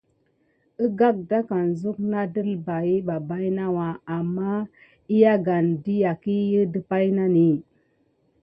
Əgagdakane zuk na dəlbahə ɓa baïnawa, amma əyagane dʼəyagkəhi də paynane.